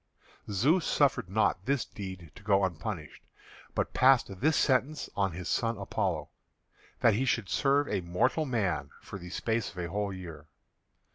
Zeus suffered not this deed to go unpunished, but passed this sentence on his son Apollo, that he should serve a mortal man for the space of a whole year.